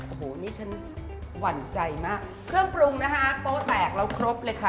โอ้โหนี่ฉันหวั่นใจมากเครื่องปรุงนะคะโป๊แตกแล้วครบเลยค่ะ